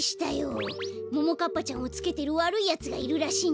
ももかっぱちゃんをつけてるわるいやつがいるらしいんだ。